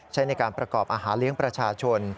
ใช้ในการประกอบอาหารเลี้ยงประชาชน